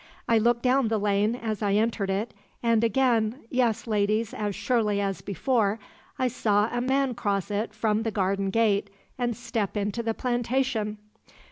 I looked down the lane as I entered it, and again yes, ladies, as surely as before I saw a man cross it from the garden gate and step into the plantation!